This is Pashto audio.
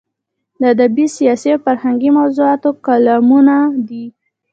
د ادبي، سیاسي او فرهنګي موضوعاتو کالمونه دي.